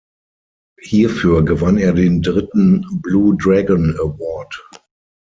Hierfür gewann er den dritten Blue Dragon Award.